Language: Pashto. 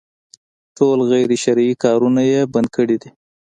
ټول غير شرعي کارونه يې بند کړي دي.